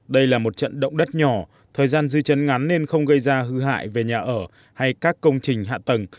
đây là một trận động đất nhỏ thời gian dư chấn ngắn nên không gây ra hư hại về nhà ở hay các công trình hạ tầng